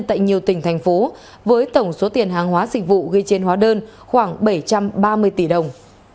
tại nhiều tỉnh thành phố với tổng số tiền hàng hóa dịch vụ ghi trên hóa đơn khoảng bảy trăm ba mươi tỷ đồng